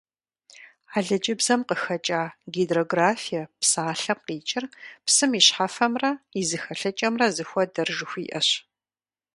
Алыджыбзэм къыхэкIа «гидрографие» псалъэм къикIыр «псым и щхьэфэмрэ и зэхэлъыкIэмрэ зыхуэдэр» жыхуиIэщ.